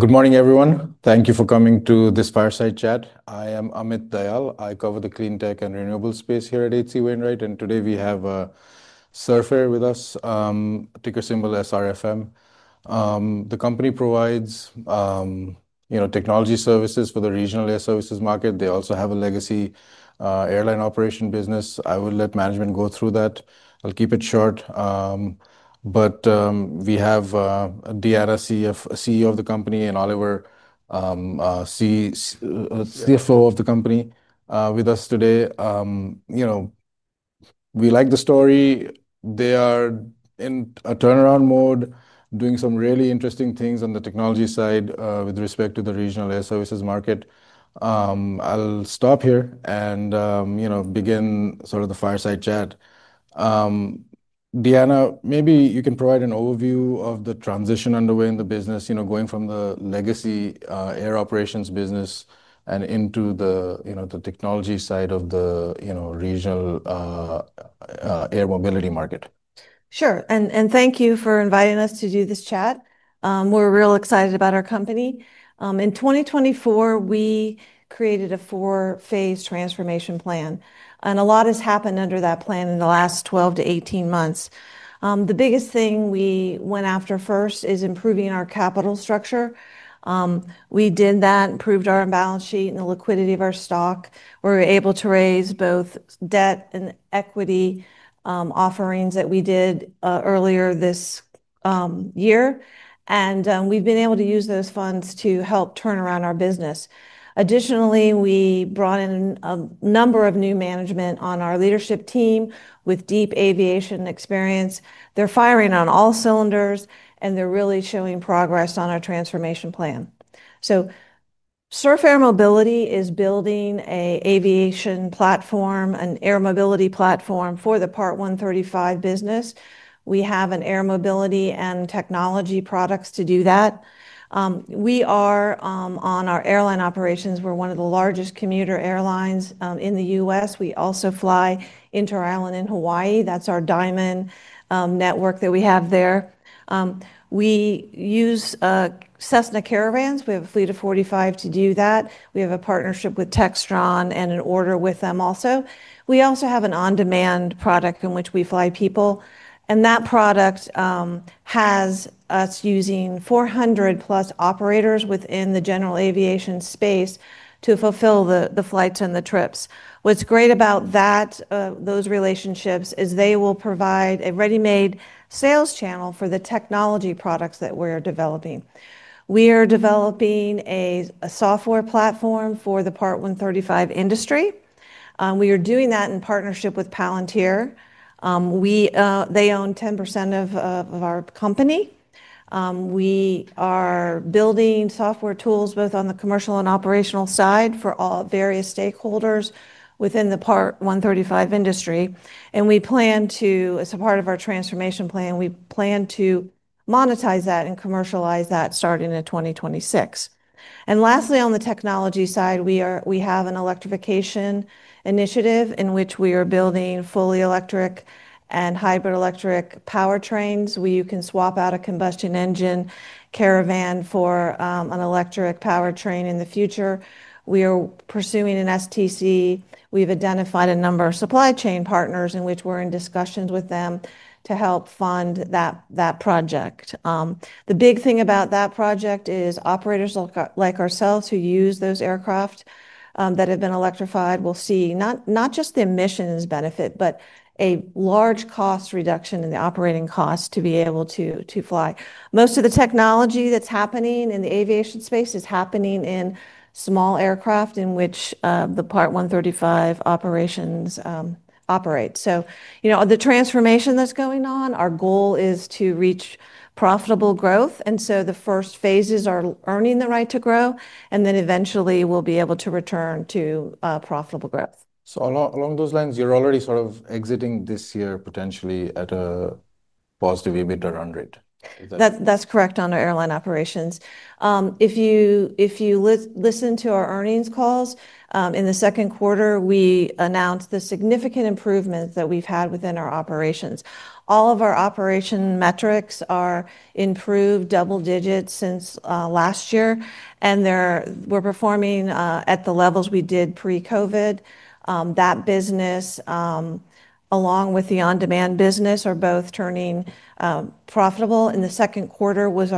Good morning, everyone. Thank you for coming to this fireside chat. I am Amit Dayal. I cover the clean tech and renewable space here at H.C. Wainwright. Today we have Surf Air Mobility with us, ticker symbol SRFM. The company provides, you know, technology services for the regional air services market. They also have a legacy regional airline operation business. I will let management go through that. I'll keep it short. We have Deanna White, CEO of the company, and Oliver Reeves, CFO of the company, with us today. You know, we like the story. They are in a turnaround mode, doing some really interesting things on the technology side, with respect to the regional air services market. I'll stop here and, you know, begin sort of the fireside chat. Deanna, maybe you can provide an overview of the transition underway in the business, you know, going from the legacy air operations business and into the, you know, the technology side of the, you know, regional air mobility market. Sure. Thank you for inviting us to do this chat. We're real excited about our company. In 2024, we created a four-phase transformation plan, and a lot has happened under that plan in the last 12 to 18 months. The biggest thing we went after first is improving our capital structure. We did that, improved our balance sheet and the liquidity of our stock. We're able to raise both debt and equity, offerings that we did earlier this year. We've been able to use those funds to help turn around our business. Additionally, we brought in a number of new management on our leadership team with deep aviation experience. They're firing on all cylinders, and they're really showing progress on our transformation plan. Surf Air Mobility is building an aviation platform, an air mobility platform for the Part 135 business. We have air mobility and technology products to do that. We are, on our airline operations, one of the largest commuter airlines in the U.S. We also fly inter-island in Hawaii. That's our diamond network that we have there. We use Cessna Caravans. We have a fleet of 45 to do that. We have a partnership with Textron Aviation and an order with them also. We also have an on-demand product in which we fly people, and that product has us using 400 plus operators within the general aviation space to fulfill the flights and the trips. What's great about those relationships is they will provide a ready-made sales channel for the technology products that we're developing. We are developing a software platform for the Part 135 industry. We are doing that in partnership with Palantir Technologies. They own 10% of our company. We are building software tools both on the commercial and operational side for all various stakeholders within the Part 135 industry. As a part of our transformation plan, we plan to monetize that and commercialize that starting in 2026. Lastly, on the technology side, we have an electrification initiative in which we are building fully electric and hybrid-electric powertrains. We can swap out a combustion engine Caravan for an electric powertrain in the future. We are pursuing an STC. We've identified a number of supply chain partners in which we're in discussions with them to help fund that project. The big thing about that project is operators like ourselves who use those aircraft that have been electrified will see not just the emissions benefit, but a large cost reduction in the operating cost to be able to fly. Most of the technology that's happening in the aviation space is happening in small aircraft in which the Part 135 operations operate. The transformation that's going on, our goal is to reach profitable growth. The first phases are earning the right to grow, and then eventually we'll be able to return to profitable growth. Along those lines, you're already sort of exiting this year potentially at a positive EBITDA run rate. That's correct on our airline operations. If you listen to our earnings calls, in the second quarter, we announced the significant improvements that we've had within our operations. All of our operation metrics are improved double digits since last year, and we're performing at the levels we did pre-COVID. That business, along with the on-demand business, are both turning profitable. The second quarter was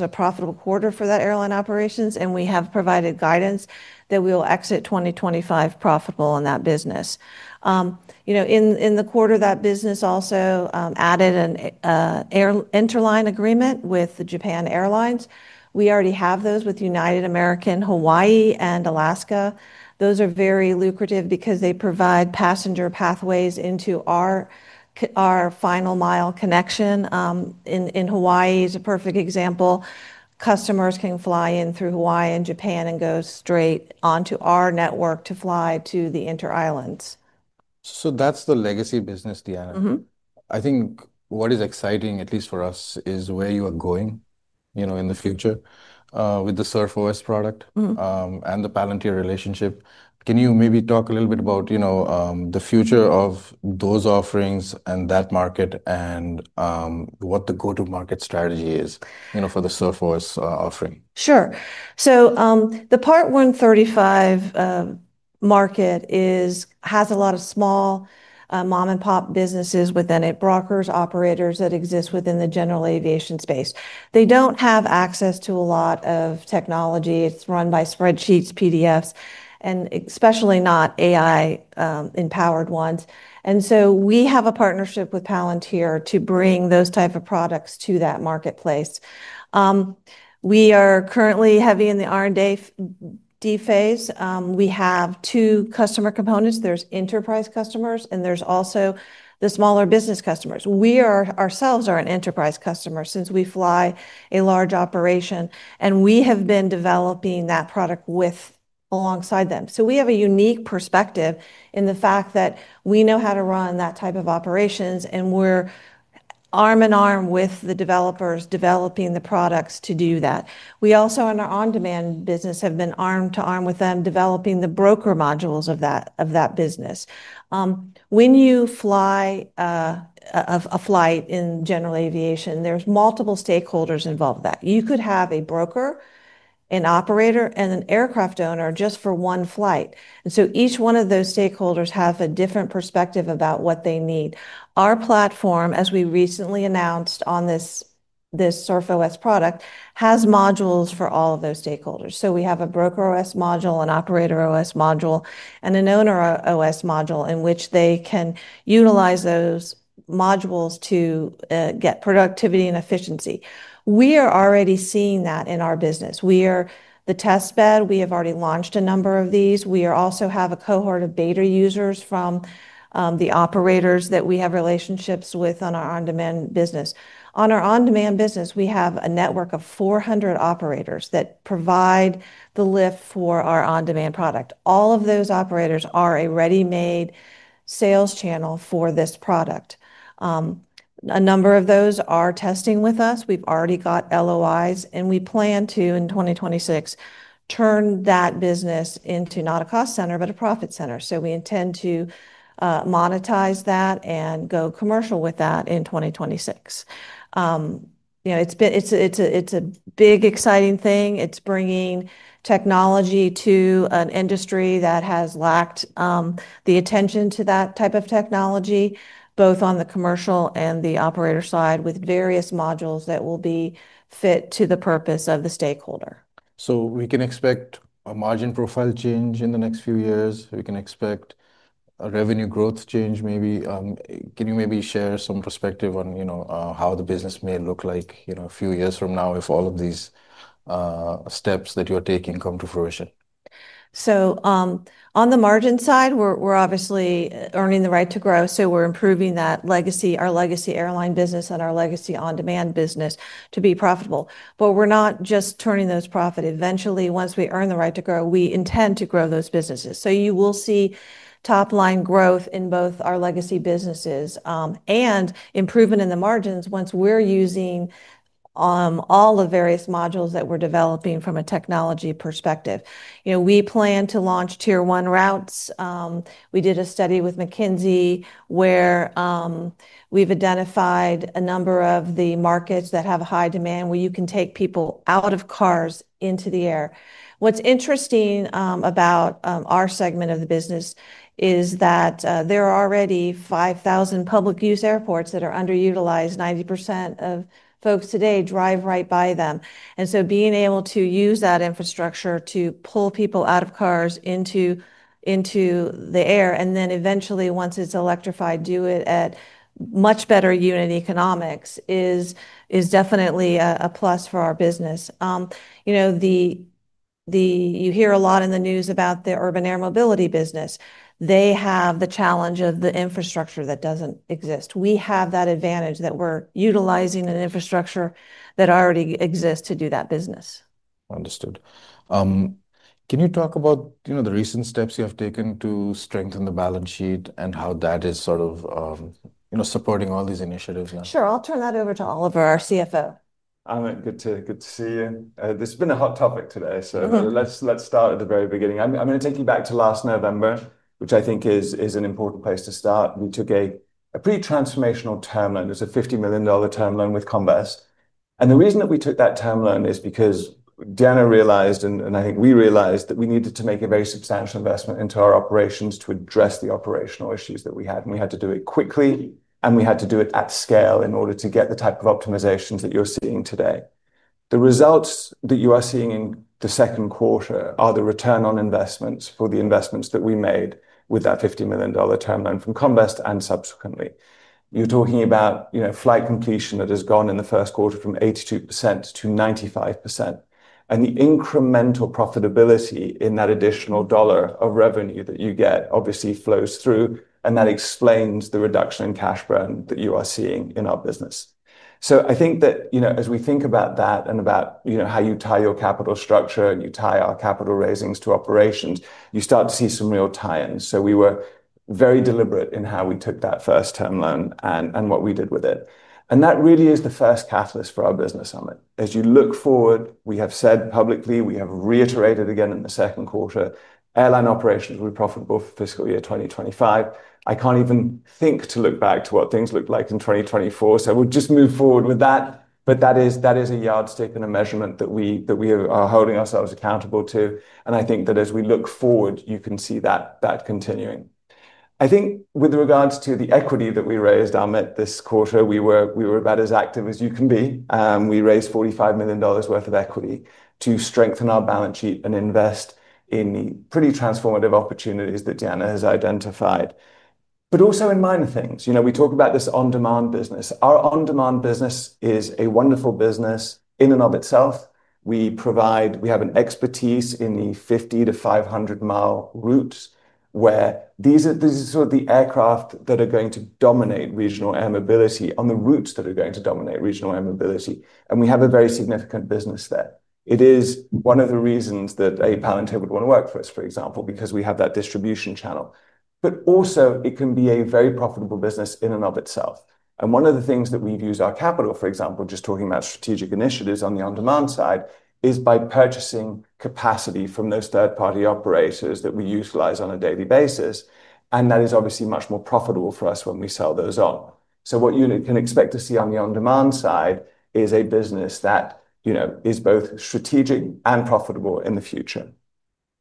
a profitable quarter for the airline operations. We have provided guidance that we will exit 2025 profitable in that business. In the quarter, that business also added an interline agreement with Japan Airlines. We already have those with United, American, Hawaii, and Alaska. Those are very lucrative because they provide passenger pathways into our final mile connection. In Hawaii is a perfect example. Customers can fly in through Hawaii and Japan and go straight onto our network to fly to the inter-islands. That's the legacy business, Deanna. I think what is exciting, at least for us, is where you are going, you know, in the future with the SurfOS product and the Palantir relationship. Can you maybe talk a little bit about, you know, the future of those offerings and that market, and what the go-to-market strategy is, you know, for the SurfOS offering? Sure. The Part 135 market has a lot of small, mom-and-pop businesses within it, brokers, operators that exist within the general aviation space. They don't have access to a lot of technology. It's run by spreadsheets, PDFs, and especially not AI-empowered ones. We have a partnership with Palantir Technologies to bring those types of products to that marketplace. We are currently heavy in the R&D phase. We have two customer components. There's enterprise customers, and there's also the smaller business customers. We ourselves are an enterprise customer since we fly a large operation. We have been developing that product alongside them. We have a unique perspective in the fact that we know how to run that type of operations, and we're arm in arm with the developers developing the products to do that. We also, in our on-demand business, have been arm to arm with them developing the broker modules of that business. When you fly a flight in general aviation, there's multiple stakeholders involved with that. You could have a broker, an operator, and an aircraft owner just for one flight. Each one of those stakeholders has a different perspective about what they need. Our platform, as we recently announced on this SurfOS product, has modules for all of those stakeholders. We have a broker OS module, an operator OS module, and an owner OS module in which they can utilize those modules to get productivity and efficiency. We are already seeing that in our business. We are the test bed. We have already launched a number of these. We also have a cohort of beta users from the operators that we have relationships with on our on-demand business. On our on-demand business, we have a network of 400 operators that provide the lift for our on-demand product. All of those operators are a ready-made sales channel for this product. A number of those are testing with us. We've already got LOIs, and we plan to, in 2026, turn that business into not a cost center, but a profit center. We intend to monetize that and go commercial with that in 2026. It's a big, exciting thing. It's bringing technology to an industry that has lacked the attention to that type of technology, both on the commercial and the operator side, with various modules that will be fit to the purpose of the stakeholder. We can expect a margin profile change in the next few years. We can expect a revenue growth change. Maybe, can you share some perspective on how the business may look like a few years from now if all of these steps that you're taking come to fruition? On the margin side, we're obviously earning the right to grow. We're improving that legacy, our legacy airline business and our legacy on-demand business to be profitable. We're not just turning those profits. Eventually, once we earn the right to grow, we intend to grow those businesses. You will see top-line growth in both our legacy businesses, and improvement in the margins once we're using all the various modules that we're developing from a technology perspective. We plan to launch tier one routes. We did a study with McKinsey where we've identified a number of the markets that have high demand where you can take people out of cars into the air. What's interesting about our segment of the business is that there are already 5,000 public use airports that are underutilized. 90% of folks today drive right by them. Being able to use that infrastructure to pull people out of cars into the air, and then eventually, once it's electrified, do it at much better unit economics is definitely a plus for our business. You hear a lot in the news about the urban air mobility business. They have the challenge of the infrastructure that doesn't exist. We have that advantage that we're utilizing an infrastructure that already exists to do that business. Understood. Can you talk about the recent steps you have taken to strengthen the balance sheet, and how that is sort of, you know, supporting all these initiatives? Sure. I'll turn that over to Oliver, our CFO. Amit, good to see you. This has been a hot topic today. Let's start at the very beginning. I'm going to take you back to last November, which I think is an important place to start. We took a pretty transformational term loan. It's a $50 million term loan with Comvest. The reason that we took that term loan is because Deanna realized, and I think we realized, that we needed to make a very substantial investment into our operations to address the operational issues that we had. We had to do it quickly, and we had to do it at scale in order to get the type of optimizations that you're seeing today. The results that you are seeing in the second quarter are the return on investments for the investments that we made with that $50 million term loan from Comvest. Subsequently, you're talking about, you know, flight completion that has gone in the first quarter from 82% to 95%. The incremental profitability in that additional dollar of revenue that you get obviously flows through, and that explains the reduction in cash burn that you are seeing in our business. I think that, you know, as we think about that and about, you know, how you tie your capital structure and you tie our capital raisings to operations, you start to see some real tie-ins. We were very deliberate in how we took that first term loan and what we did with it. That really is the first catalyst for our business, Amit. As you look forward, we have said publicly, we have reiterated again in the second quarter, airline operations will be profitable for fiscal year 2025. I can't even think to look back to what things looked like in 2024. We'll just move forward with that. That is a yardstick and a measurement that we are holding ourselves accountable to. I think that as we look forward, you can see that continuing. I think with regards to the equity that we raised, Amit, this quarter, we were about as active as you can be. We raised $45 million worth of equity to strengthen our balance sheet and invest in the pretty transformative opportunities that Deanna has identified. Also in minor things, you know, we talk about this on-demand business. Our on-demand business is a wonderful business in and of itself. We provide, we have an expertise in the 50 to 500 mile routes where these are sort of the aircraft that are going to dominate regional air mobility on the routes that are going to dominate regional air mobility. We have a very significant business there. It is one of the reasons that Palantir Technologies would want to work for us, for example, because we have that distribution channel. It can be a very profitable business in and of itself. One of the things that we've used our capital for, for example, just talking about strategic initiatives on the on-demand side, is by purchasing capacity from those third-party operators that we utilize on a daily basis. That is obviously much more profitable for us when we sell those off. What you can expect to see on the on-demand side is a business that is both strategic and profitable in the future.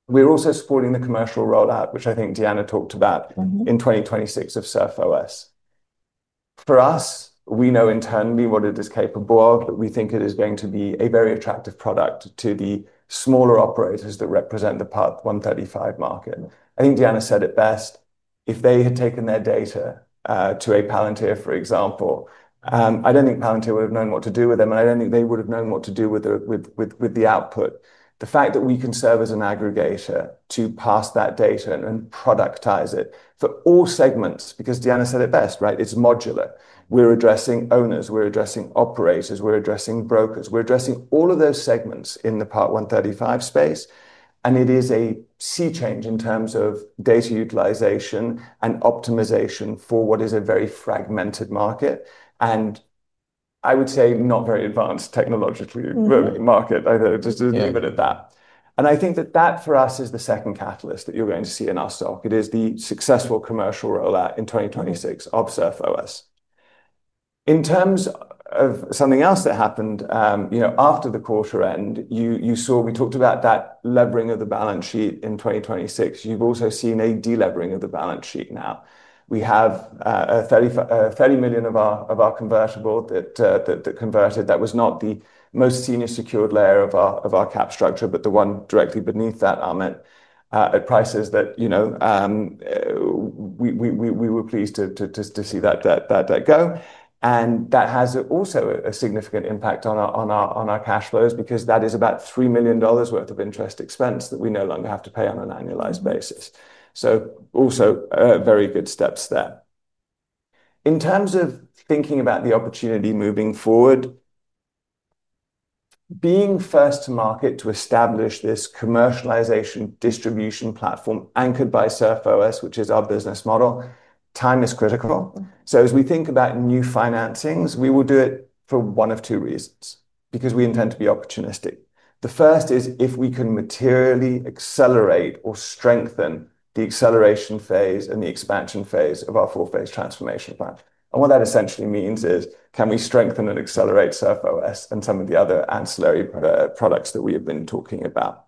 We're also supporting the commercial rollout, which I think Deanna White talked about, in 2026 of SurfOS. For us, we know internally what it is capable of, but we think it is going to be a very attractive product to the smaller operators that represent the Part 135 market. I think Deanna White said it best. If they had taken their data to Palantir Technologies, for example, I don't think Palantir Technologies would have known what to do with them, and I don't think they would have known what to do with the output. The fact that we can serve as an aggregator to pass that data and productize it for all segments, because Deanna White said it best, right? It's modular. We're addressing owners, we're addressing operators, we're addressing brokers, we're addressing all of those segments in the Part 135 space. It is a sea change in terms of data utilization and optimization for what is a very fragmented market. I would say not very advanced technologically market either. That for us is the second catalyst that you're going to see in our stock. It is the successful commercial rollout in 2026 of SurfOS. In terms of something else that happened after the quarter end, you saw we talked about that levering of the balance sheet in 2026. You've also seen a delevering of the balance sheet now. We have $30 million of our convertible that converted. That was not the most senior secured layer of our capital structure, but the one directly beneath that, Amit, at prices that we were pleased to see that go. That has also a significant impact on our cash flows because that is about $3 million worth of interest expense that we no longer have to pay on an annualized basis. Also very good steps there. In terms of thinking about the opportunity moving forward, being first to market to establish this commercialization distribution platform anchored by SurfOS, which is our business model, time is critical. As we think about new financings, we will do it for one of two reasons, because we intend to be opportunistic. The first is if we can materially accelerate or strengthen the acceleration phase and the expansion phase of our four-phase transformation plan. What that essentially means is can we strengthen and accelerate SurfOS and some of the other ancillary products that we have been talking about?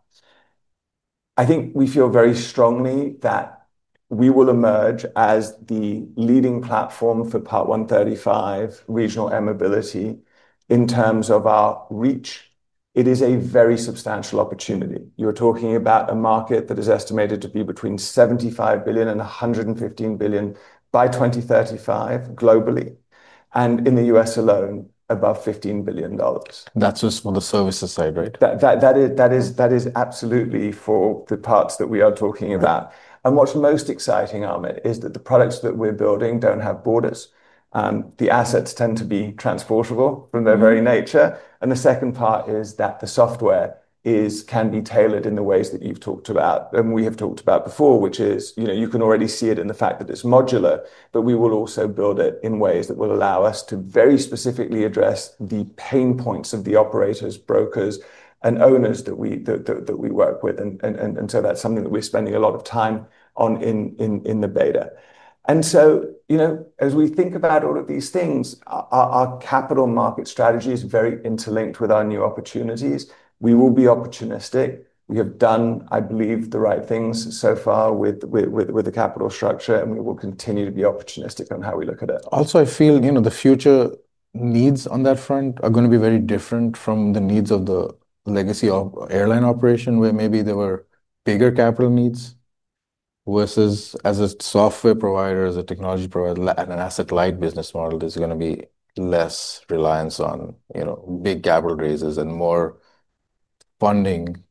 I think we feel very strongly that we will emerge as the leading platform for Part 135 regional air mobility in terms of our reach. It is a very substantial opportunity. You're talking about a market that is estimated to be between $75 billion and $115 billion by 2035 globally. In the U.S. alone, above $15 billion. That's just for the services side, right? That is absolutely for the parts that we are talking about. What's most exciting, Amit, is that the products that we're building don't have borders. The assets tend to be transportable from their very nature. The second part is that the software can be tailored in the ways that you've talked about and we have talked about before, which is, you know, you can already see it in the fact that it's modular, but we will also build it in ways that will allow us to very specifically address the pain points of the operators, brokers, and owners that we work with. That's something that we're spending a lot of time on in the beta. As we think about all of these things, our capital market strategy is very interlinked with our new opportunities. We will be opportunistic. We have done, I believe, the right things so far with the capital structure, and we will continue to be opportunistic on how we look at it. I feel the future needs on that front are going to be very different from the needs of the legacy regional airline operator where maybe there were bigger capital needs versus as a software provider, as a technology provider, and an asset-light business model, there's going to be less reliance on big capital raises and more funding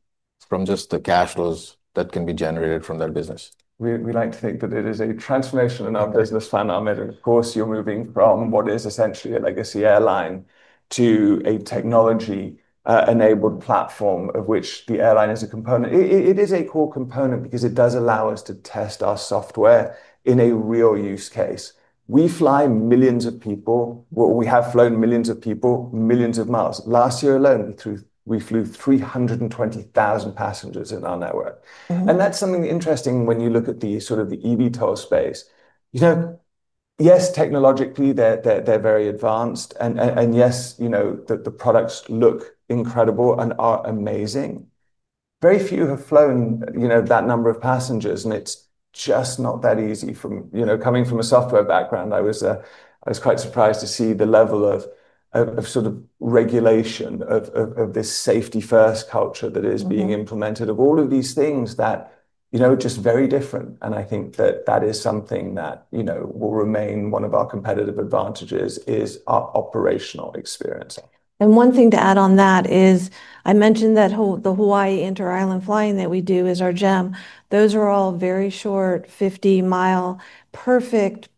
from just the cash flows that can be generated from that business. We like to think that it is a transformation in our business plan, Amit, and of course, you're moving from what is essentially a legacy regional airline operator to a technology-enabled platform of which the airline is a component. It is a core component because it does allow us to test our software in a real use case. We fly millions of people. We have flown millions of people, millions of miles. Last year alone, we flew 320,000 passengers in our network. That's something interesting when you look at the sort of the eVTOL space. Yes, technologically, they're very advanced. Yes, the products look incredible and are amazing. Very few have flown that number of passengers, and it's just not that easy. Coming from a software background, I was quite surprised to see the level of regulation, this safety-first culture that is being implemented, all of these things that, it's just very different. I think that is something that will remain one of our competitive advantages, our operational experience. One thing to add on that is I mentioned that the Hawaii inter-island flying that we do is our gem. Those are all very short, 50-mile, perfect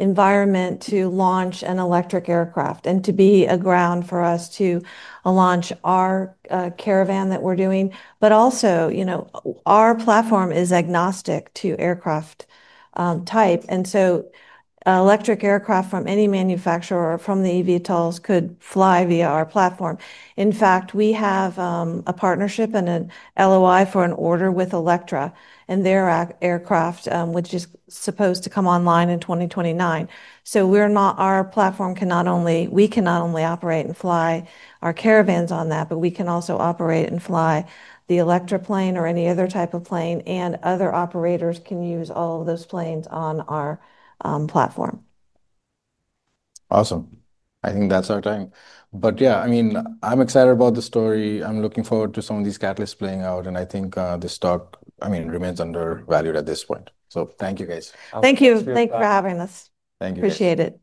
environment to launch an electric aircraft and to be a ground for us to launch our Caravan that we're doing. Also, our platform is agnostic to aircraft type, so electric aircraft from any manufacturer or from the eVTOLs could fly via our platform. In fact, we have a partnership and an LOI for an order with Electra and their aircraft, which is supposed to come online in 2029. Our platform can not only operate and fly our Caravans on that, but we can also operate and fly the Electra plane or any other type of plane, and other operators can use all of those planes on our platform. Awesome. I think that's our time. I'm excited about the story. I'm looking forward to some of these catalysts playing out, and I think this talk remains undervalued at this point. Thank you, guys. Thank you. Thanks for having us. Thank you. Appreciate it.